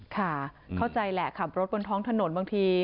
ค่ะเข้าใจแหละขับรถบนท้องถนนบางที